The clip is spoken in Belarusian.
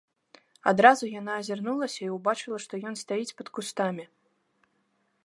Адразу яна азірнулася і ўбачыла, што ён стаіць пад кустамі.